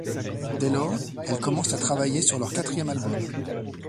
Dès lors, elles commencent à travailler sur leur quatrième album.